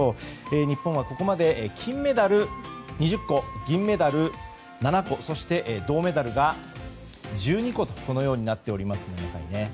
日本はここまで、金メダル２０個銀メダル７個銅メダルが１２個とこのようになっております。